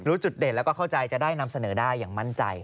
จุดเด่นแล้วก็เข้าใจจะได้นำเสนอได้อย่างมั่นใจ